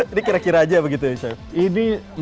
ini kira kira aja begitu ya chef